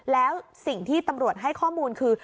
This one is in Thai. แล้วสิ่งที่ตำรวจให้ข้อมูลคือ